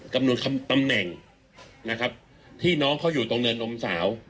ตำแหน่งนะครับที่น้องเขาอยู่ตรงเนินนมสาว